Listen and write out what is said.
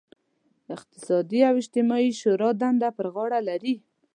اقتصادي او اجتماعي شورا دنده پر غاړه لري.